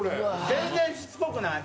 全然しつこくない。